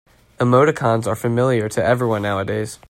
Emoticons are familiar to everyone nowadays.